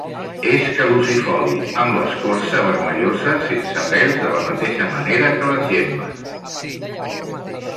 És caducifoli, amb l'escorça vermellosa, sense pèls de la mateixa manera que les gemmes.